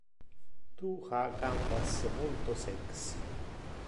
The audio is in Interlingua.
Tu ha gambas multo sexy.